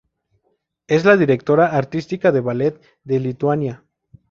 Es la directora artística del Ballet de Lituania.